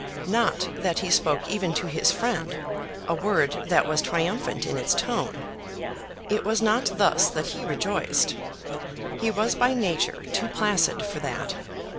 Not that he spoke even to his friend a word that was triumphant in its tone. It was not thus that he rejoiced. He was by nature too placid for that.